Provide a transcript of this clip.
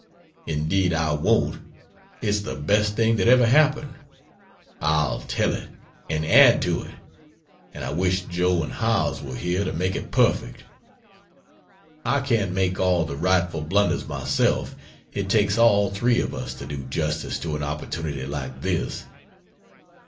Indeed I won't it's the best thing that ever happened; I'll tell it, and add to it; and I wish Joe and Howells were here to make it perfect; I can't make all the rightful blunders myself it takes all three of us to do justice to an opportunity like this.